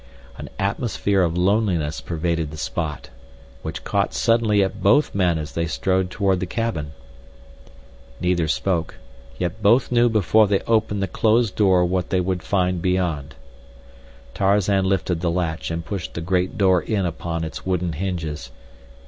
An atmosphere of loneliness pervaded the spot, which caught suddenly at both men as they strode toward the cabin. Neither spoke, yet both knew before they opened the closed door what they would find beyond. Tarzan lifted the latch and pushed the great door in upon its wooden hinges.